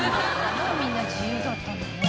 みんな自由だったんだね。